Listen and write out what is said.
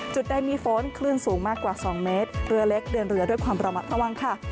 จุดใดมีฝนคลื่นสูงมากกว่า๒เมตรเรือเล็กเดินเรือด้วยความระมัดระวังค่ะ